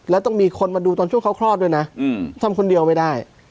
แล้วต้องมีคนมาดูตอนช่วงเขาคลอดด้วยนะทำคนเดียวไม่ได้